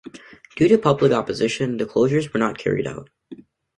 Due to public opposition, the closures were not carried out.